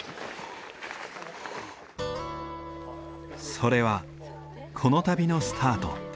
それはこの旅のスタート